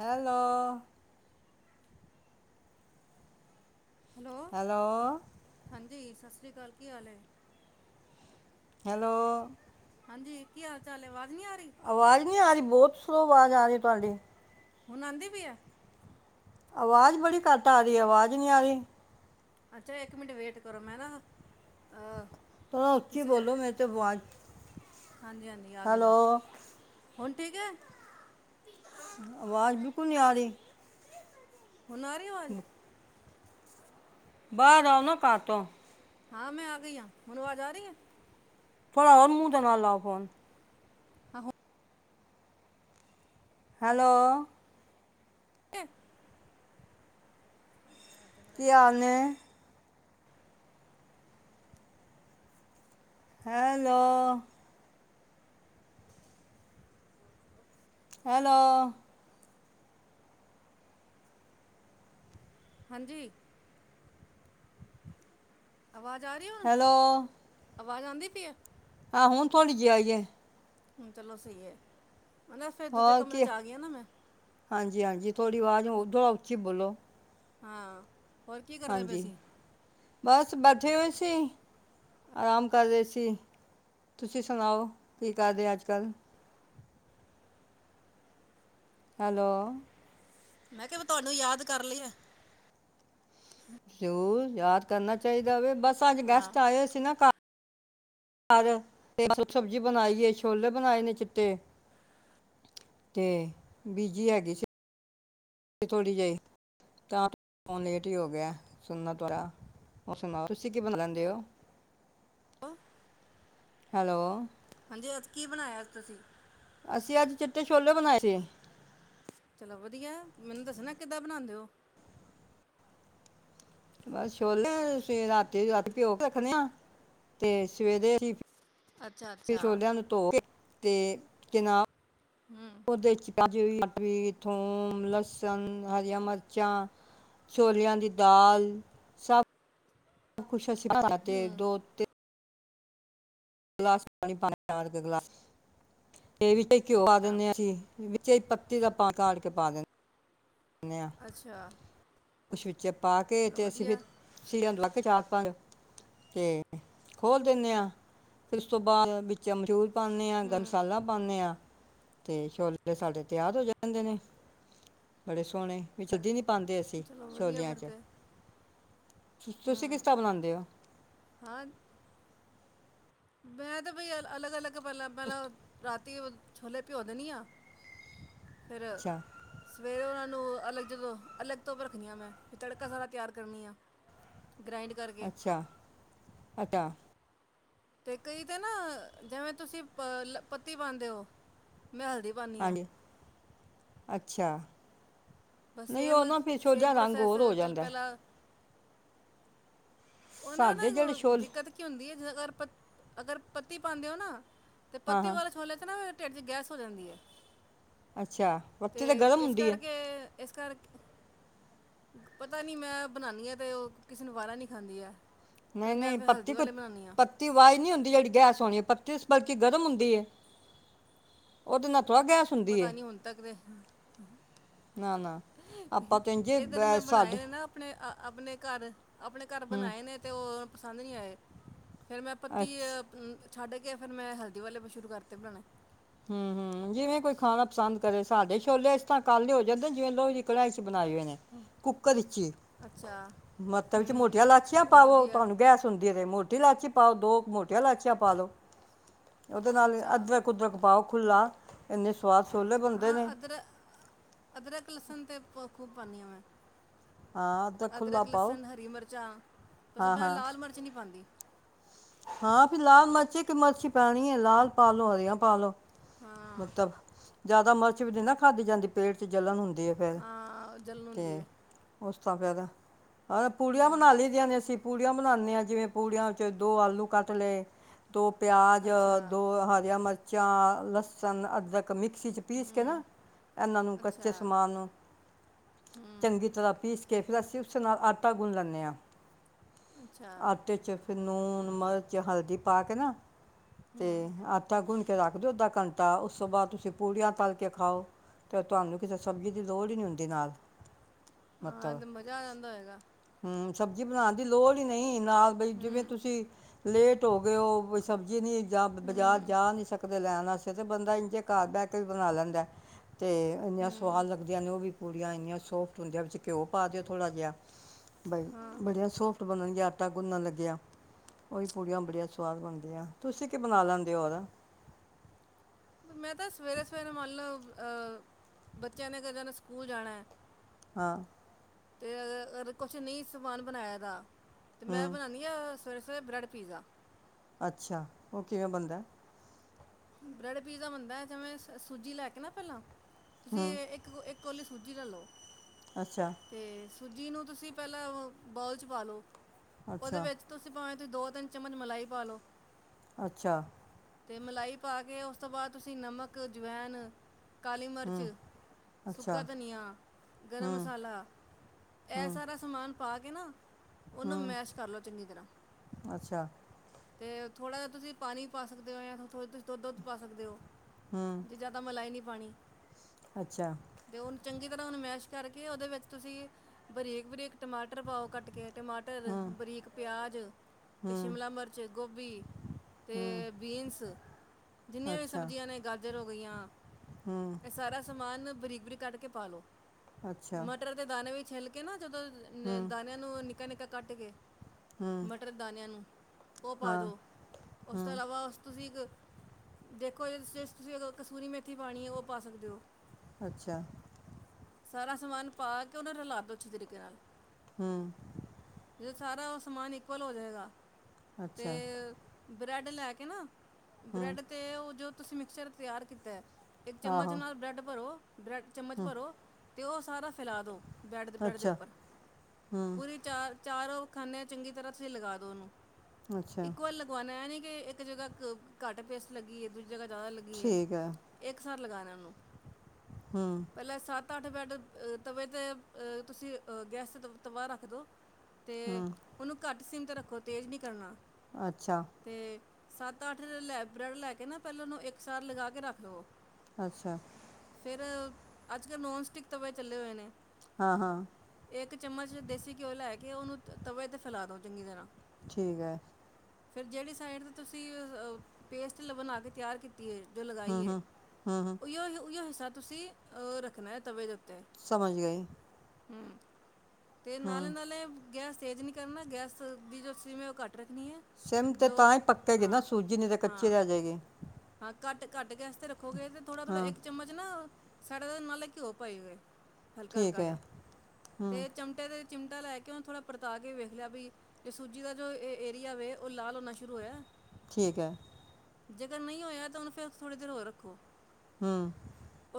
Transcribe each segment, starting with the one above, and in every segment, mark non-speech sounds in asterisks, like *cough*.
Hello hello ਹਾਂਜੀ ਸਤਿ ਸ਼੍ਰੀ ਅਕਾਲ ਕੀ ਹਾਲ ਹੈ ਹੈਲੋ ਹਾਂਜੀ ਕੀ ਹਾਲ ਚਾਲ ਹੈ ਬਾ ਆਵਾਜ਼ ਨਹੀਂੀ ਆ ਰਹੀ ਬਹੁਤ ਉਸ ਤੋਂ ਆਵਾਜ਼ ਆ ਰਹੀ ਤੁਹਾਡੀ ਹੁਣ ਆਉਂਦੀ ਪਈ ਹੈ ਆਵਾਜ਼ ਬੜੀ ਘੱਟ ਆ ਰਹੀ ਆਵਾਜ਼ ਨਹੀਂੀ ਆ ਰਹੀ ਅੱਛਾਲ ਇੱਕ ਮਿੰਟ ਵੇਟ ਕਰੋ ਮੈਂ ਨਾ ਅਹ ੋ ਉੱਚੀ ਬੋਲੋ ਮੇਰੇ ਤੇ ਆਵਾਜ਼ ਹਾਂਜੀ ਹਾਂਜੀ ਆ ਗਏ ਹੈਲੋ ਬਸ ਹੁਣ ਠੀਕ ਹੈ ਆਵਾਜ਼ ਬਿਲਕੁਲ ਨੀ ਆ ਰਹੀ ਹੁਣ ਆ ਰਹੀ ਆਵਾਜ਼ ਬਾਹਰ ਆਓ ਨਾ ਘਰ ਤੋ ਹਾਂ ਮੈਂ ਆ ਗਈ ਹਾਂ ਹੁਣ ਆਵਾਜ਼ ਆ ਰਹੀ ਆ ਥੋੜਾ ਹੋਰ ਮੂੰਹ ਦੇ ਨਾਲ ਲਾਓ ਫੋਨ ਹਾਂ ਹੈਲੋ ਅੱਠ ਕੀ ਆ ਨੇ ਹੈਲੋ ਹੈਲੋ ਹਾਂਜੀ ਆਵਾਜ਼ ਆ ਰਹੀ ਹੁਣ। ਹੈਲੋ ਆਵਾਜ਼ ਆਉਂਦੀ ਪੀ ਏ। ਆਹੋ ਹੁਣ ਤੁਹਾੀ ਜੇ ਆਈ ਹੈ। ਚਲੋ ਸਹੀ ਹੈ। ਉਹਦਾ ਫੇਰ ਦੂਜੇ ਹੋਰ ਕਮਰੇ ਚ ਆ ਗਈ ਨਾ ਮੈਂ। ਥੋੜੀ ਆਵਾਜ਼ ਉਦੋ ਉੱਚੀ ਬੋਲੋ। ਹਾਂ। ਹੋਰ ਕੀ ਕਰਦੇ ਪਏ ਹਾਂਜੀ ਸੀ। ਬਸ ਬੈਠੇ ਹੋਏ ਸੀ ਆਰਾਮ ਕਰ ਰਹੇ ਸੀ ਤੁਸੀਂ ਸੁਣਾਓ ਕੀ ਕਰਦੇ ਅੱਜ ਕੱਲ੍ਹ। ਹੈਲੋ। ਮੈਂ ਕਿਹਾ ਤੁਹਾਨੂੰ ਯਾਦ ਕਰ ਲੀਏ। ਜ਼ੂਰ ਯਾਦ ਕਰਨਾ ਚਾਹੀਦਾ ਬਸ। ਅੱਜ ਹਾਂ ਗੈਸਟ ਆਏ ਸੀ ਨਾ ਘਰ। ਤੇ ਆਲੂ ਸਬਜ਼ੀ ਬਣਾਈ ਹੈ। ਛੋਲੇ ਬਣਾਏ ਨੇ ਚਿੱਟੇ ਤੇ ਬੀਜੀ ਹੈਗੀ ਸੀ ਥੋੜ੍ਹੀ ਜਿਹੀ ਤਾਂ ਫੋਨ ਲੇਟ ਹੀ ਹੋ। ਗਿਆ ਸੁਣਨਾ ਤਾਰਾ ਉਹ ਸੁਣਾਓ ਤੁਸੀਂ ਕੀ ਬਣ ਲੈਂਦੇ ਹੋ। ਹੋ। ਹੈਲੋ। ਜ ਕੀ ਬਣਾਇਆ ਤੁਸੀਂ। ਅਸੀਂ ਅੱਜ ਚਿੱਟੇ ਛੋਲੇ ਬਣਾਏ ਸੀ। ਚਲੋ ਵਧੀਆ ਮੈਨੂੰ ਦੱਸਣਾ ਕਿੱਦਾਂ ਬਣਾਉਂਦੇ ਹੋ। ਬਸ ਛੋਲੇ ਰਾਤੀ ਰਾਤੀ ਪਿਓ ਕੇ ਰੱਖਣੇ ਆ ਤੇ ਸਵੇਰੇ ਅਸੀ। ਅੱਛਾ ਵਿ ਅੱਛਾ ਛੋਲਿਆਂ ਨੂੰ ਧੋ ਕੇ। ਅਤੇ ਤਨਾਅ *inaudible* ਉਹਦੇ ' ਵੀ ਥੋਮ, ਲਸਣ, ਹਰੀਆਂ ਮਿਰਚਾਂ, ਛੋਲਿਆਂ ਦੀ ਦਾਲ ਸਭ। ਖੁਸ਼ ਅਸੀ ਪ ਤੇ ਦੋ ਤੇ। ਗਲਾਸ ਪਾ ਗਲਾ ਦੇ। ਘਿਓ ਪਾ ਅੱਛਾ, ਦਿੰਦੇ ਹਾਂ ਅਸੀਂ। ਤੇ ਪੱਤੀ ਦਾ ਪਾਣੀ ਕਾੜ ਕੇ ਪਾ ਦਿੰਨੀ ਆ। ਅੱਛਾ। ਉਸ ਵਿੱਚ। ਪਾ ਕੇ ਚਲੋ ਤੇ ਅਸੀਂ ਫਿਰ, ਵਧੀਆ ਸੀਡੀਆਂ ਲੱਗ ਗਈ ਚਾਲ। ਪਰ ਤੇ ਖੋਲ ਦੇਣੇ ਅ, ਫਿਰ ਉਸ ਬਾਦ ਵਿੱਚ ਅਮਰੂਦ। ਪਾਨੇ ਅ ਗਰਮ ਹੂੰ ਮਸਾਲਾ ਪਾਨੇ ਅ। ਤੇ ਛੋਲੇ ਤੇ ਸਾਡੇ ਤਿਆਰ ਹੋ ਜਾਂਦੇ ਨੇ, ਬੜੇ ਸੋਹਣੇ ਵਿੱਚ ਸਬਜ਼ੀ। ਪਾਉਂਦੇ ਅਸੀਂ। ਚਲੋ ਵਧੀਆ ਛੋਲਿਆਂ ਫਿਰ ਚ, ਤੇ ਤੁਸੀਂ ਹੂੰ ਕਿਸਤਰਾਂ ਬਣਾਉਂਦੇ ਓ। ਮੈ ਤੇ ਬਈ ਅਲੱਗ ਅਲੱਗ ਸਭ ਤੋਂ ਪਹਿਲਾਂ ਪਹਿਲਾ ਰਾਤ। ਤੇ ਓ ਛੋਲ਼ੇ ਪਹਿਓ ਦੇਣੀ ਅ ਫਿਰ। ਅੱਛਾ ਸਵੇਰੇ ਉਹਨਾਂ ਨੂੰ, ਅਲੱਗ ਤੋਂ ਜਦੋ ਅਲੱਗ ਤੋਂ ਰੱਖਣੀ ਮੈ ਤੜਕਾ ਸਾਰਾ ਤਿਆਰ ਕਰਨੀ। ਗ੍ਰਾਇੰਡ ਕਰਕੇ। ਆਟਾ। ਤੇ ਕਈ ਤੇ ਨਾ, ਜਿਵੇਂ ਤੁਸੀਂ ਪੱਤੀ ਪਾਉਂਦੇ ਹੋ। ਮੈਂ ਹਲਦੀ ਪਾਨੀ ਅ। ਚਾ। ਬਸ ਸੇਮ ਸੇਮ ਪ੍ਰੋਸੈਸ ਹੋਰ ਹੋ ਚਲ ਜਾਂਦਾ ਹੈ। ਪਹਿਲਾਂ। ਉਹਨਾਂ ਸਾਡੇ ਨਾਲ ਜਿਹੜੇ ਹੋਰ, ਛੋਲ ਦਿੱਕਤ ਕੀ ਹੁੰਦੀ ਏ। ਤੁ ਅਗਰ ਪ, ਅਗਰ ਪੱਤੀ, ਬਣਦੇ ਹੋ ਨ। ਤੇ ਹਾਂ ਪੱਤੀ ਹਾਂ ਵਾਲੇਛੋਲੇ ਤੇ ਨ ਫੇਰ। ਢਿੱਡ ਚ ਗੈਸ ਹੋ ਜਾਂਦੀ ਏ। ਅੱਛਾ ਬੱਤੀ ਤੇ ਗਰਮ ਹੁੰਦੀ ਹੈ ਇਸ ਕਰਕੇ ਪਤਾ ਨਹੀਂ ਮੈਂ, ਬਨਾਣੀ ਹਾਂ ਤੇ ਓ ਕਿਸੀ ਨੂੰ ਵਾਰਾ ਨਈ। ਠਦੀ ਹੈ। ਫਿਰ ਨਹੀਂ ਮੈਂ ਨਹੀਂ ਫਿਰ ਹਲਦੀ ਪੱਤੀ ਕੁ ਵਾਲੇ ਬਣਾਉਣੀ ਆ ਪੱਤੀ ਆਵਾਜ਼ ਨਹੀਂੀ ਹੁੰਦੀ ਜਿਹੜੀ ਗੈਸ ਹੋਣੀ ੱਬਤੀ ਬਲ ਕੀ ਗਰਮ ਹੁੰਦੀ ਏ, ਓਹਦੇ ਨਾਲ। ਥੋੜ੍ਹਾ ਗੈਸ ਹੁੰਦੀ ਪਤਾ ਹੈ ਨੀ ਹੁਣ ਤੱਕ ਤੇ, ਨਾ ਨਾ ਆਪਾਂ ਤਾਂ ਇੰਜੇ ਏਧਰ ਮੈਂ ਬਨਾਏ ਸਾਡੇ ਹੋਏ ਨ ਆਪਣੇ ਅ। ਆਪਣੇ ਘਰ। ਆਪਣੇ ਘਰ ਹੂੰ ਬਣਾਏ ਨੇ ਤੇ ਉਹ। ਸਦ ਨੀ ਆਏ। ਫਿਰ ਮੈਂ ਪੱਤੀਅ ਅੱਛਾ ਛੱਡ ਕੇ ਫੇਿਰ ਮੈਂ ਹਲਦੀ ਵਾਲੇ, ਬਿਸਕੁਟ ਬਣਾਏ। ਹਮ ਹਮ ਜਿਵੇਂ ਕੋਈ ਖਾਣਾ ਪਸੰਦ ਕਰੇ ਸਾਡੇ ਛੋਲੇ ਇਸ ਤਾਂ ਕੱਲ ਹੀ ਹੋ ਜਾਂਦੇ ਜਿਵੇਂ ਲੋਹ ਜੀ ਕੜਾਾਈ ਬਣਾਏ ਹੋਏ ਨੇ ਕੁੱਕਰ ਵਿੱਚ ਹੀ ਅੱਛਾ ਮੱਤ ਵਿੱਚ ਹੂੰ ਮੋਟੀਆਂ ਲਾਚੀਆਂ ਚਲੋ ਪਾਵੋ ਵਧੀਆ ਤੁਹਾਨੂੰ ਗੈਸ ਹੁੰਦੀ ਰ ਮੋਟੀ ਇਲਾਇਚੀ ਪਾਓ ਦੋ ਮੋਟੀਆਂ ਇਲਾਚੀਆਂ ਪਾ ਲਓ ਉਹਦੇ ਨਾਲ ਅੱਛਾ ਅਦਰਕ ਉਦਰਕ ਖੁੱਲਾ ਨ ਹਾਂ ਅਦਰਕ ਅਦਰਕ ਲਸਣ ਤੇ ਪਖੂਪਨੀੀਆਂਵੇ ਹਾਂ ਖੁੱਲਾ ਅਦਰਕ ਪਾਓ ਲਸਣ ਹਰੀ ਮਿਰਚਾਂ ਹਾਂ ਭੈਂ ਹਾਂ ਲਾਲ ਮਿਰਚ ਨਹੀਂੀ ਪਾਉਂਦੀ ਹਾਂ ਵੀ ਲਾਲ ਮਰਚੇ ਕਿ ਮਰਚੀ ਪੈਣੀ ਹੈ ਲਾਲ ਪਾਾਲੋ ਹਰੀਆਂ ਪਾਾਲੋ ਹਾਂ ਮਤਲਬ ਜਿਆਦਾ ਮਿਰਚ ਵੀ ਨ ਨਾ ਖਾਧੀ ਜਾਂਦੀ ਪੇਟ ਚ ਜਲਣ ਹੁੰਦੀ ਦੇ ਹੈ ਫਿਰ ਹਾਂ ਜਲਨ ਹੁੰਦੀ ਅਤੇ ਹੈ ਉਸ ਸ ਫਿਆਦਾ ਪ ਪੁੜੀਆਂ ਹੂੰ ਬਣਾ ਲਈ ਦੀਆਂ ਨੇ ਅਸੀਂ ਪੂੜੀਆਂ ਬਣਾਉਂਦੇ ਹਾਂ ਜਿਵੇਂ ਪੂੜੀਆਂ ਵਿੱਚ ਦੋ ਆਲੂ ਕੱਟ ਲਏ ਦੋ ਪਿਆਜ ਅੱਛਾ ਦੋ ਹਰੀਆਂ ਮਿਰਚ ਚਾ ਲਸ ਸੰਨ ਅੱਧਕ ਮਿਕਸੀ ਚ ਪੀਸ ਕੇ ਹੂੰ ਨਾ ਇਹਨਾਂ ਨੂੰ ਅੱਛਾ ਕੱਚੇ ਸਮਾਨ ਨੂੰ ਹੂੰ ਚੰਗੀ ਤਰ੍ਹਾਂ ਪੀਸ ਕੇ ਆਟਾ ਗੁੰਨ ਲੈਦੇ ਆ ਅੱਛਾ ਆਟੇ ਚ ਫਿਰ ਲੂਣ ਨਮਰ ਚ ਹਲਦੀ ਪਾ ਕੇ ਨਾ ਤੇ ਹੂੰ ਆਟਾ ਗੁਣ ਰੱਖ ਦਿਓ ਉਹਦਾ ਕੰ ਤਾਂ ਉਸ ਤੋਂ ਬਾਅਦ ਤੁਸੀਂ ਪੂੜੀਆਂ ਤਲ ਕੇ ਖਾਓ ਅਤੇ ਤੁਹਾਨੂੰ ਕਿਸੇ ਸਬਜ਼ੀ ਦੀ ਲੋੜ ਨਹੀਂ ਹੁੰਦੀ ਨਾਲ ਖਾਣ ਮਤਲਬ ਦਾ ਮਜ਼ਾ ਆ ਜਾਂਦਾ ਹੈਗਾ ਹੂੰ ਸਬਜ਼ੀ ਬਣਾਉਣ ਦੀ ਲੋੜ ਹੀ ਨਹੀਂ ਨਾਲ ਬਈ ਜਿਵੇਂ ਹੂੰ ਤੁਸੀਂ ਲੇਟ ਹੋ ਗਏ ਉਹ ਸਬਜ਼ੀ ਨਹੀਂ ਜਾਂ ਬਾਜ਼ਾਰ ਹੂੰ ਜਾ ਨਹੀਂ ਸਕਦਾ ਲੈਣਾ ਸੀ ਤਾਂ ਬੰਦਾ ਇ ਕ ਘਰ ਬੈਠ ਕੇ ਵੀ ਬਣਾ ਲੈਂਦਾ ਅਤੇ ਇੰਨੀਆਂ ਹੂੰ ਸਵਾਦ ਲੱਗਦੀਆਂ ਨੇ ਉਹ ਵੀ ਪੂੜੀਆਂ ਇਨੀਆਂ ਸੋਫਟ ਹੁੰ ਘਿਓ ਪਾ ਦਿਓ ਥੜ੍ਹਾ ਜਿਹਾ ਬਾਈ ਹਾਂ ਬੜੀਆ ਸੋਫਟ ਬਣਣਗੀਆਂ ਆਟਾ ਗੁੰਨਣ ਲੱਗਿਆ ਉਹੀ ਪੂੜੀਆਂ ਬੜੀਆਂ ਸਵਾਦ ਬਣਦੀਆਂ ਤੁਸੀਂ ਕਿ ਬਣਾ ਲੈਂਦੇ ਹੋਰ ਮੈਂ ਤਾਂ ਸਵੇਰੇ ਸਵੇਰੇ ਮੱਲ ਬੱਚਿਆਂ ਨੇ ਕਦੇ ਨੇ ਸਕੂਲ ਜਾਣਾ ਹੈ ਹਾਂ ਤੇ ਅ ਕੁਛ ਨਹੀਂ ਸਮਾਨ ਬਣਾਇਆ ਦਾ ਤੇ ਮੈਂ ਹੂੰ ਬਣਾਾਨਦੀ ਆ ਸਵੇਰੇ ਸਵੇਰੇ ਬਰੈਡ ਪੀਜ਼ਾ ਅੱਛਾ ਉਹ ਕਿਵੇਂ ਬੰਦਾ ਬ੍ਰੈਡ ਪੀਜ਼ਾ ਬੰਦਾ ਹੈ ਜਿਵੇਂ ਸੂਜੀ ਲੈ ਕੇ ਨਾ ਪਹਿਲਾਂ ਤੁਸੀਂ ਹੂੰ ਇੱਕ ਇੱਕਲ ਸੁਜੀ ਲੈ ਲੌ ਅੱਛਾ। ਸੂਜੀ ਨੂੰ ਤੁਸੀਂ ਪਹਿਲਾਂ ਬੋਲ 'ਚ ਪਾ ਲਓ। ਉਹਦੇ ਅੱਛਾ ਵਿੱਚ ਤੁਸੀਂ ਭਾਵੇਂ। ਤੁਂ ਦੋ ਤਿੰਨ ਚਮਚ ਮਲਾਈ ਪਾਾਲੋ। ਅੱਛਾ। ਤੇ ਮਲਾਈ ਪਾ ਕੇ ਉਸ ਤੋਂ ਬਾਅਦ ਤੁਸੀਂ ਨਮਕ, ਅਜਵੈਨ। ਕਾਲੀ ਮਿਰਚ, ਹੂੰ ਅੱਛਾ ਸੁੱਕਾ ਧਨੀਆ, ਗਰਮ ਹੂੰ ਮਸਾਲਾ, ਇਹ ਹੂੰ ਸਾਰਾ ਸਮਾਨ। ਪਾ ਕੇ ਨਾ। ਉਹਨੂੰ ਹੂੰ ਮੈਸ਼ ਕਰ ਲੋ ਚੰਗੀ ਤਰ੍ਹਾਂ। ਅੱਛਾ ਤੇ ਥੋੜਾ ਜਿਹਾ ਤੁਸੀਂ ਪਾਣੀ ਪਾ ਸਕਦੇ ਹੋੋੜਾ ਤੁਸੀਂ ਦੁੱਧ ਦੁੱਧ ਪਾ ਸਕਦੇ ਹੋ। ਹੂੰ ਜੇ ਜਿਆਦਾ ਮਲਾਈ ਨਹੀਂ। ਪਾਣੀ। ਅੱਛਾ ਤੇ ਉਹਨੂੰ ਚੰਗੀ। ਤਰ੍ਹਾਂ ਨੂੰ ਮੈਸ਼ ਕਰਕੇ ਉਹਦੇ ਵਿੱਚ ਤੁਸੀਂ ਬਰੀਕ ਬਰੀਕ ਟਮਾਟਰ ਪਾਓ ਕੱਟ ਕੇ। ਟਮਾਟਰ, ਹੂੰ ਬਰੀਕ ਪਿਆਜ਼ ਅਤੇ ਹੂੰ ਸ਼ਿਮਲਾ ਮਿਰਚ। ਗੋਭੀ ਹੂੰ ਅਤੇ ਬੀਨਸ ਜਿੰਨੀਆਂ ਵੀ ਅੱਛਾ ਸਬਜ਼ੀਆਂ ਨੇ ਗਾਜਰ। ਹੋਈਆਂ। ਹੂੰ ਇਹ ਸਾਰਾ ਸਮਾਨ ਬਰੀਕ। ਬਾਰੀਕ ਕਟ ਕੇ ਪਾ ਲੋ। ਅੱਛਾ ਮਟਰ ਦੇ ਦਾਣੇ ਵਿੱਚ। ਖੇ ਕੇ ਨਾ। ਜਦੋਂ ਹੂੰ ਦਾਾਨਿਆਂ ਨੂੰ। ਨਿਕਾ ਨਿਕਾ ਕੱਟ ਕੇ। ਹੂੰ ਮਟਰ ਦਾਨਿਆਂ ਨੂੰ। ਪਾ ਹਾਂ ਦੋ ਉਸ ਤੋਂ ਹੂੰ ਇਲਾਵਾ ਉਸ ਤੋਂ। ਤੁਸੀਂ ਇੱਕ ਦੇਖੋ ਜ ਤੁਸੀਂ ਕਸੂਰੀ ਮੇਥੀ ਪਾਉਣੀ ਹੈ, ਉਹ ਪਾ ਸਕਦੇ ਹੋ,। ਅੱਛਾ। ਸਾਰਾ ਸਮਾਨ ਪਾ ਕੇ ਉਹਨੂੰ ਰਲਾ ਦੋ ਅੱਛੇ ਤਰੀਕੇ ਨਾਲ। ਹਮ। ਜ ਸਾਰਾ ਉਹ ਸਮਾਨ ਇਕੁਅਲ ਹੋ ਜਾਵੇਗਾ। ਅੱਛਾ ਤੇ। ਬਰੈੱਡ ਲੈ ਕੇ ਨਾ। ਹੂੰ ਬ੍ਰੈਡ ਤੇ ਉਹ ਜੋ। ਤੁਸੀਂ ਮਿਕਸਚਰ ਤਿਆਰ ਕੀਤਾ। ਇੱਕ ਚਮਚ ਆਹੋ ਨਾਲ ਬ੍ਰੈਡ ਭਰੋ। ਬ੍ਰੈੱਡ ਚਮਚ ਹੂੰ ਭਰੋ। ਅਤੇ ਉਹ ਸਾਰਾ ਫੈਲਾ ਦਿਉ। ਬੈਡ ਬੈਡ ਦੇ ਅੱਛਾ ਉੱਪਰ ਹੂੰ ਪੂਰੀ ਚਾਰ ਚਾਰ ਖਾਨੇ ਚੰਗੀ ਤਰ੍ਹਾਂ ਤੁਸੀਂ ਲਗਾ ਦੋ ਉਹਓਨੂੰ। ਅੱਛਾ ਇੱਕ ਵਾਰ ਲਗਵਾਉਣਾ ਨੀ। ਕਿ ਇੱਕ ਜਗ੍ਹਾ ਘੱਟ ਪੇਸਟ ਲੱਗੀ ਹੈਏ ਦੂਜੀ ਜਗ੍ਹਾ ਜ਼ਿਆਦਾ ਲੱਗੀ ਹੈ ਇੱਕ ਸਾਲ ਲਗਾ ਵਣ ਹੂੰ ਪਹਿਲਾਂ ਸਤ ਅੱਠ ਬੈਠ ਤਵੇ ਤੇ ਅ ਤੁਸੀਂ ਗੈਸ ਤੇ ਤਬਾਹ ਰੱਖਦੋ ਤੇ ਹੂੰ ਉਹਨੂੰ ਘੱਟ ਸਿਮਤ ਰੱਖੋ ਤੇਜ਼ ਨਹੀਂ ਕਰਨਾ। ਅੱਛਾ। ਅਤੇ ਸੱਤ ਅੱਠ ਲੈ ਬ੍ਰੈਡ ਲੈ ਕੇ ਨਾ ਪਹਿਲਾਂ ਉਹਨੂੰ ਇੱਕ ਸਾਰ ਲਗਾ ਕੇ ਰੱਖ ਲਵੋ। ਅੱਛਾ। ਫਿਰ ਅੱਜ ਕੱਲ੍ਹ ਨੋਨ ਸਟਿਕ ਤਵੇ ਚੱਲੇ ਹੋਏ ਨੇ ਹਾਂ ਹਾਂ ਇੱਕ ਚਮਚ ਦੇਸੀ ਘਿਓ ਲੈ ਕੇ ਕਿ ਉਹਨੂੰ ਤਬ ਤੇ ਫੈਲਾ ਦੋ ਚੰਗੀ ਤਰ੍ਹਾਂ ਠੀਕ ਏ। ਫਿਰ ਜਿਹੜੀ ਸਾਈਡ ਤੋਂ ਤੁਸੀਂ ਪੇਸਟ ਬਣਾ ਕੇ ਤਿਆਰ ਹੈ ਜੋ ਹੂੰ ਲਗਾਾਈ ਹੈ ਹੂੰ ਹੂੰ ਹੂੰ ਹਿਸਾਬ ਤੁਸੀਂ ਅਹ ਰੱਖਣਾ ਹੈ ਤਵੇ ਸਮਝ ਗਈ। ਹਮ। ਤੇ ਨਾਲੇ ਹੂੰ ਨਾਲੇ ਗੈਸ ਤੇਜ਼ ਨਹੀਂ ਕਰਨਾ ਗੈਸ ਦੀ ਜੋ ਸੀਮ ਹੈ ਉਹ ਘੱਟ ਰੱਖਣੀ ਹੈ ਸਿਮ ਤੇ ਲੋਕ ਤਾਂ ਹੀ ਪੱਕੇਗੀ ਨਾ ਹਾਂ ਸੂਜੀ ਨੇ ਤੇ ਕੱਚੇ ਹਾਂ ਰਹਿ ਜਾਏਗੀ। ਹਾਂ ਘੱਟ ਘੱਟ ਕੇਸਤੇ ਰੱਖ ਖੋਗੇ ਅਤੇ ਥੜ੍ਹਾ ਥੋ੍ਹਾ ਹਾਂ ਇੱਕ ਚਮਚ ਨਾ ਸਾਡੇ ਤਾਂ ਨਾਲਤਬ ਘਿਓ ਪਾਈ ਗਏ। ਹਲਕਾ ਠੀਕ ਹਲਕਾ ਹੈ ਜਿਹਾ ਹੂੰ ਤੇ ਚਮਟੇ ਦੇ ਚਿਮਟਾ ਲੈ ਕੇ ਉਹਨੇ ਥੋੜਾ ਪਰਤਾ ਕੇ ਵੇਖ ਲਿਆ ਵੀ ਜੇ ਸੂਜੀ ਦਾ ਜੋ ਇਹ ਏਰੀਆ ਵੇ ਉਹ ਲਾਹ ਲ ਹੋਉਣਾ ਸ਼ੁਰੂ ਹੋਇਆ। ਠੀਕ ਹੈ। ਜੇਕਰ ਨਹੀਂ ਹੋਇਆ ਤਾਂ ਉਹਨੂੰ ਫੇਿਰ ਥੋੜੀ ਦੇਰ ਹੋਰ ਰੱਖੋ ਹਮ।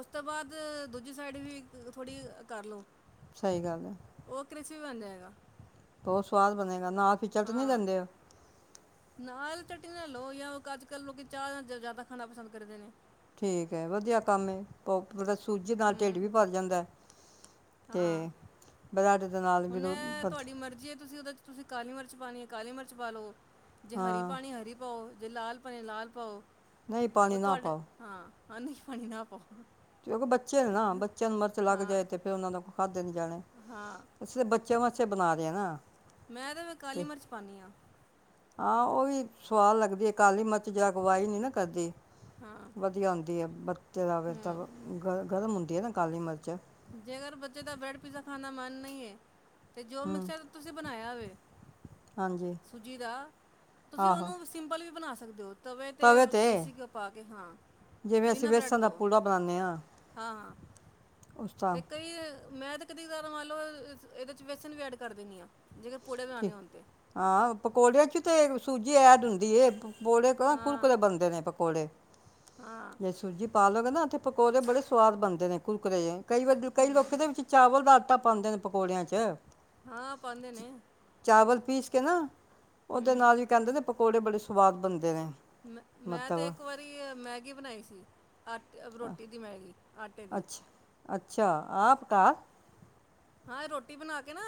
ਉਸ ਤੋਂ ਬਾਅਦ ਦੂਜੀ ਸਾਈਡ ਵੀ ਥੋੜੀ ਕਰਲੋ ਸਹੀ ਗੱਲ ਹੈ ਕਿੱਥੇ ਬਣ ਜਾਏਗਾ ਬਹੁਤ ਸਵਾਦ ਬਣੇਗਾ ਨਾ ਫਿਚਲਟ ਨਹੀਂੀ ਦਿੰਦੇ ਉਹ ਨਾਲ ਚਟ ਨਾ ਲਓ ਜਾਂ ਅੱਜ ਕੱਲ੍ਹ ਲੋਕ ਚਾਹ ਨਾਲ ਜ਼ਿਆਦਾ ਖਾਣਾ ਪਸੰਦ ਕਰਦੇ ਨੇ ਠੀਕ ਏ ਵਧੀਆ ਕੰਮ *unintelligible* ਸੂਜ ਨਾਲ ਢਿੱਡ ਵੀ ਹੂੰ ਭਰ ਜਾਂਦਾ ਹੈ ਹਾਂ ਤੇ *unintelligible* ਦੇ ਨਾਲ ਹੁਣ ਮਿਲਬੱਧ ਤੁਹਾਡੀ ਮਰਜ਼ੀ ਹੈ ਤੁਸੀਂ ਉਹਦੇ ਚਚ ਤੁਸੀਂ ਕਾਲੀ ਮਿਰਚ ਪਾਣੀ ਹੈ ਕਾਲੀ ਮਿਰਚ ਪਾ ਲਓ ਜੇ ਹਰੀ ਹਾਂ ਪਾਣੀ ਹਰੀ ਪਾਓ ਜੇ ਲਾਲ ਭਣੇ ਲਾਲ ਪਾਓ ਨਹੀਂ ਪਾਣੀ ਨਾ ਪਾਓ ਅਨ ਪਾਣੀ ਨਾ ਕਿਉਂਕਿ ਬੱਚੇ ਨੇ ਨਾ ਬੱਚਿਆਂ ਨੂੰ ਮਰਚ ਲੱਗ ਹਾਂ ਜਾਏ ਤੇ ਫਿਰ ਉਹਨਾਂ ਦਾ ਕੋ ਨ ਜਾਣੇ ਹਾਂ ਅ ਤਾਂ ਬੱਚਿਆਂ ਵਾ ਅਛੇ ਬਣਾਦੇ ਆ ਨਾ ਮੈਂ ਤਾਂ ਮੈਂ ਕਾਲੀ ਤੇ ਮਿਰਚ ਪਾਉਦੀ ਹਾਂ ਹਾਂ ਉਹ ਵੀ ਸਆਦ ਲੱਗਦੀ ਹੈ ਕਾਲੀ ਮਿਰਚ ਜਾਗਵਾਈ ਨੀ ਨਾ ਕਰਦੀ ਹਾਂ ਵਧੀਆ ਹੁੰਦੀ ਆ *unintelligible* ਤੇ ਹੂੰ *unintelligible* ਗਰਮ ਹੁੰਦੀ ਹੈ ਨਾ ਕਾਲੀ ਮਿਰਚ ਜੇਕਰ ਬੱਚੇ ਦਾ ਬ੍ਰੈਡ ਪੀਜ਼ਾ ਖਾ ਮਨ ਨਹੀਂ ਹੈ ਅਤੇ ਜੋ ਹੂੰ ਮਿਕਸਰ ਤੁਸੀਂ ਬਣਾਇਆ ਹੋਵੇ ਹਾਂਜੀ ਸੂਜੀ ਦਾ ਤੁਸੀਂ ਆਹੋ ਉਹਨੂੰ ਸਿੰਪਲ ਵੀ ਬਣਾ ਸਕ ਸਕਦੇ ਹੋ ਤਵੇ 'ਤੇ ਦੇਸੀ ਘਿਓ ਪਾ ਕੇ ਹਾਂ ਜਿਵੇਂ ਅਸੀਂ ਬਿਨਾਂ ਬਰੈਡ ਵੇਸਣ ਦਾ ਦਿਉ ਪੂੜਾ ਬਣਾਉਂਦੇ ਹਾਂ ਹਾਂ ਹਾਂ ਉਸਤਾ ਤੇ ਕਈ ਮੈਂ ਤਾਂ ਕਦੀਦਾ ਮੰ ਲਓ ਇਹਦੇ ਚ ਵੇਸਣ ਵੀ ਐਡ ਕਰ ਦਿੰਦੀ ਹਾਂ ਜੇਕਰ ਪੂੜੇ ਬਣਾਉਣੇ ਹੋਣ ਤਾਂ ਹਾਂ ਪਕੌੜਿਆਂ ਚ ਤੇ ਸੂਜੀ ਐਡ ਹੁੰਦੀ ਪਕੌੜੇ ਕ ਹਾਂ ਕੁੁਰਕੁਰੇ ਬਣਦੇ ਨੇ ਪਕੌੜੇ ਹਾਂ ਸੂਜੀ ਪਾ ਲੋ ਕਹਿੰਦਾ ਓਥੇ ਪਕੌੜੇ ਬੜੇ ਸਆਵਾਦ ਬਣਦੇ ਨੇ ਕੁੁਰਕਰੇ ਜੇ। ਕਈ ਵਰੀ ਕਈ ਲੋਕ ਹੂੰ ਦੇ ਵਿੱਚ ਚਾਵਲ ਦਾ ਆਟਾ ਪਾਦੇ ਨੇ ਪਕੌੜਿਆਂ ਚੱ। ਹਾਂ ਪਾੰਦੇ ਨੇ। ਚਾਵਲ ਪੀਸ ਕੇ ਨਾ ਉਹਦੇ ਨਾਲ ਵੀ ਕਹਿੰਦੇ ਨੇ ਪ ਪਕੋੜੇ ਬੜੇ ਸੁਵਾਦ ਬਨਦੇ ਨੇ। ਮੈਂ ਮੈਂ ਤੇ ਮਤਲਬ ਇੱਕ ਵਾਰੀ ਮੈਗੀ ਬਣਾਈ ਸੀ। ਆਟਾ ਰੋਟੀ ਦੀ ਮੈਂਗੀ। ਆਟੇ ਦੀ। ਅੱਛਾ ਅੱਛਾ ਆਪ ਘਾ ਹਾਂ ਐ ਰੋਟੀ ਬਣਾ ਕੇ ਨਾ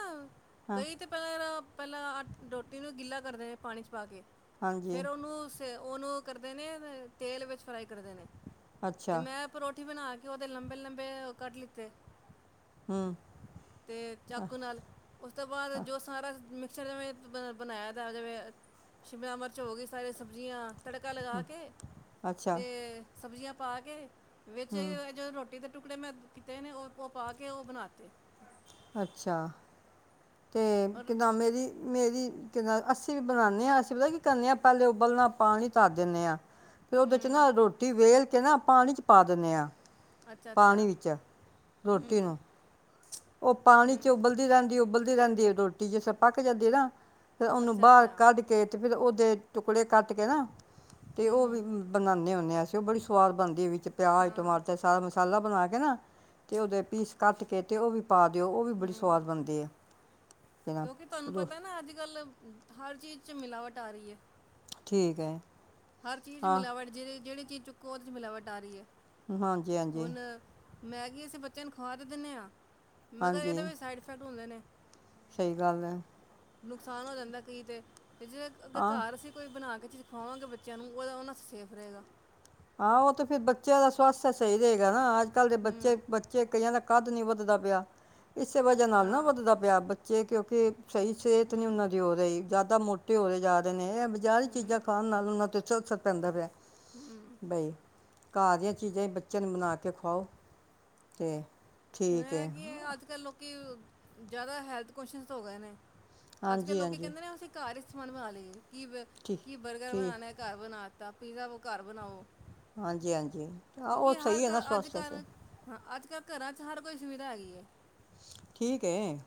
ਹਾਂ ਕਈ ਤੇ ਪਹਿਲਾਂ ਰੋਟੀ ਨੂੰ ਗਿੱਲਾ ਤੱਤੇ ਨੇ ਪਾਣੀ ਚ ਪਾ ਕੇ। ਹਾਂਜੀ ਫਿਰ ਉਹਨੂੰ ਉਹਨੂੰ ਕਰਦੇ ਨੇ ਨ ਤੇਲ ਵੇਚ ਫਰਾਈ ਕਰਦੇ ਨੇ। ਤੇ ਅੱਛਾ ਮੈਂ ਪਰੌਂਠੇ ਬਣਾ ਕੇ ਉਹਦੇ ਲੰਬੇ ਲੰਬੇ ਕੱਟ ਲਿੱਤੇ ਹੂੰ। ਤੇ ਚਾਕੂ ਨਾਲਤੋਂ ਉਸ ਤੋਂ ਬਾਅਦ ਜੋ ਸਾਰਾ ਮੇ ਚਲੋ ਮੈਂ ਬਣਾਇਆ ਤਾ ਜਿਵੇਂ ਸ਼ਿਮਲਾ ਮਿਰਚ ਹੋ ਗਈ ਸਾਰੇ ਸਬਜੀਆਂ ਤੜਕਾ ਲਗਾ ਕੇ ਅੱਛਾ ਤੇ ਸਬਜ਼ੀਆਂ ਪਾ ਕੇ ਵਿੱਚ ਆਈ ਹੂੰ ਐ ਜਦੋ ਰੋਟੀ ਤੇ ਟੁਕੜੇ ਮੈਂ ਕੀਤੇ ਨੇ ਓਹ ਓਹ ਪਾ ਕੇ ਓਹ ਬਣਾਤੇ। ਅੱਛਾ ਤੇ ਔਰ ਕਿਦਾਂ ਮੇਰੀ ਮੇਰੀ ਕੀ ਨਾ ਅਸੀਂ ਵੀ ਬਣਾਨੇ ਆਂ ਅਸੀਂ ਪਤਾ ਕੀ ਕਰਨੇ ਆ ਪਹਿਲੇ ਉਬਲਣਾ ਪਾਣੀ ਧਰ ਦਿੰਨੇ ਆਂ। ਫੇਰ ਓਦੇ ਚ ਹੂੰ ਨਾ ਰੋਟੀ ਵੇਲ ਤੇ ਨਾ ਪਾਣੀ 'ਚ ਪਾ ਦਿੰਨੇ ਆਂ। ਅੱਛਾ ਅੱਛਾ ਪਾਣੀ ਵਿੱਚ, ਹੂੰ ਰੋਟੀ ਨੂੰ ਉਹ ਪਾਣੀ ਹੂੰ 'ਚ ਉਬਲਦੀ ਰਹਿੰਦੀ ਉਬਲ ਦੀ ਰਹਿੰਦੀ ਆ ਰੋਟੀ ਜੇ ਸਾ ਪੱਕ ਜਾਂਦੀ ਨਾ ਫੇਰ ਉਹਨੂੰ ਅੱਛਾ ਬਾਹਰ ਅੱਛਾ ਕੱਢ ਕੇ ਤੇ ਫੇਰ ਉਹਦੇ ਟੁਕੜੇ ਕੱਟ ਕੇ ਨਾ ਤੇ ਉਹ ਹੂੰ ਵੀ ਬਨਾਨੇ ਆ। *unintelligible* ਬੜੀ ਸਵਾਦ ਬਣਦੀ ਹੈਗੀ। ਪਿਆਜ ਹਾਂ ਟਮਾਟਰ ਸਾਰਾ ਮਸਾਲਾ ਬਣਾ ਕੇ ਨਾ ਤੇ, ਉਹਦੇ ਪੀਸ ਕੱਟ ਕੇ ਤੇ ਉਹ ਵੀ ਪਾ ਦਿਓ। ਹੂੰ ਕਿਉਂਕਿ ਤੁਹਾਨੂੰ ਕਿਨਾ ਪਤਾ ਨਾ ਅੱਜਕੱਲ ਹਰ ਚੀਜ਼ 'ਚ ਮਿਲਾਵਟ ਆ ਰਹੀ ਹੈ। ਠੀਕ ਐ। ਹਰ ਚੀਜ਼ ਮਿਲਾਵਟ ਜਿਹੜੇ ਚੀਜ਼ ਚੁੱਕੋ ਉਹਦੇ ਮਿਲਾਵਟ ਆ ਰਹੀ ਹੈ। ਹਾਂਜੀ-ਹਾਂਜੀ ਹੁਣ ਮੈਗੀ ਅਸੀਂ ਬੱਚਿਆਂ ਨੂੰ ਖਵਾ ਤਾਂ ਦਿੰਨੇ ਆ ਮਗਰ ਇਹਦੇ ਹਾਂਜੀ ਵਿੱਚ ਸਾਈਡ ਇਫੈਕਟ ਹੁੰਦੇ ਨੇ। ਸਹੀ ਗੱਲ ਏ। ਨੁਕਸਾਨ ਹੋ ਜਾਂਦਾ ਕੀ ਤੇ ਤੇ ਜੇ ਹਾਂ ਘਰ ਅਸੀਂ ਕੋਈ ਬਣਾ ਕੇ ਇਹ ਚੀਜ਼ ਦਿਖਾਵਾਂਗੇ ਬੱਚਿਆਂ ਨੂੰ ਉਹਦਾ ਉਹਨਾਂ ਸੇਫ ਰਹੇਗਾ। ਹਾਂ ਉਹ ਤੇ ਫਿਰ ਬੱਚਿਆਂ ਦਾ ਸਵਸਥ ਸਹੀ ਰਹੇਗਾ ਨਾ ਅੱਜ ਕੱਲ੍ਹ ਦੇ ਬੱਚੇ ਹੂੰ ਬੱਚੇ ਕਈਆਂ ਦਾ ਕੱਦ ਨੀ ਵੱਧਦਾ ਪਿਆ ਇਸੇ ਵਜ੍ਹਾ ਨਾਲ ਨਾ ਹਾਂ ਵੱਧਦਾ ਪਿਆ ਬੱਚੇ ਕਿਉਂਕਿ ਤੇ ਸਹੀ ਸਿਹਤ ਨੀ ਹੂੰ ਉਹਨਾਂ ਦੀ ਉਹ ਰਹੀ ਤਾਂ ਮੋਟੇ ਹੋਦੇ ਜਾਦੇ ਨੇ ਮ ਬਜ਼ਾਰ ਹੂੰ ਚੀਜ਼ਾਂ ਖਾਣ ਨਾਲ ਉਹਨਾਂ ਤੇ ਚੌ ਸੱਤ ਪੈਂਦਾ ਪਿਆ ਹੂੰ ਬਈ ਘਰ ਦੀਆਂ ਚੀਜ਼ਾਂ ਹੀ ਬੱਚਿਆਂ ਨੂੰ ਬਣਾ ਕੇ ਖਵਾਓ ਅਤੇ ੁਣ ਹੈਗੀ ਹੈ ਅੱਜ ਕੱਲ੍ਹ ਲੋਕੀ ਕਿ ਜ਼ਿਆਦਾ ਹੈਲਥ ਕੁਸ ਹੋ ਗਏ ਨੇ ਅੱਜ ਕੱਲ੍ਹ ਹਾਂਜੀ ਲੋਕੀ ਹਾਂਜੀ ਕਹਿੰਦੇ ਨੇ ਅਸੀਂ ਘਰ ਮਨਵਾ ਲ ਲਈ ਕੀ ਠੀਕ ਕੀ ਬਰਗਰ ਠੀਕ ਬਣਾਾਨਣਾ ਹੈ ਘਰ ਬਣਾ ਤਾਂ ਪੀਜ਼ਾ ਵ ਘਰ ਬਣਾਓ ਹਾਂਜੀ ਹਾਂਜੀ ਆਹ ਉਹ ਕਿਉਂਕਿ ਸਹੀ ਹੈ ਨਾ ਸਵਸਥਸ ਕਰਾਂ ਹਰ ਕੋਈ ਸੁਵਿਧਾ ਹੈਗੀ ਹੈ ਠੀਕ ਏ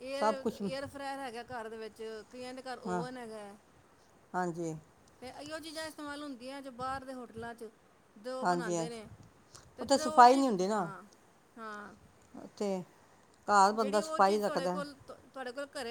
ਏਰ ਏਰ ਫਰਾਰ ਹੈਗਾ ਘਰ ਦੇ ਵਿੱਚ ੀਆਂ ਦੇ ਘਰ ਹਾਂ ਓਵਨ ਹੈਗਾ ਹਾਂਜੀ ਤੇ ਇੋ ਚੀਜ਼ਾਂ ਇਸਤੇਮਾਲ ਹੁੰਦੀ ਗੱੀਆਂ ਚ ਬਾਹਰ ਦੇ ਹੋਟਲਾਂ ਚ ਜ ਉਹ ਹਾਂਜੀ ਹਾਂਜੀ ਬਣਾਉਂਦੇ ਨੇ ਤੇ ਉੱਥੇ ਜਦੋਂ ਉਹ ਚੀਜ਼ ਹਾਂ ਹਾਂ ਤੇੇ ਘਰ ਬੰਦਾ ਜਿਹੜੀ ਉਹ ਸਫਾਈ ਚੀਜ਼ ਤੁਹਾਡੇ ਸਕਦਾ ਕੋਲ ਤੁ- ਤੁਹਾਡੇ ਕੋਲ ਘਰੇ